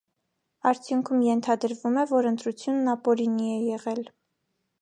Արդյունքում ենթադրվում է, որ ընտրությունն ապօրինի է եղել։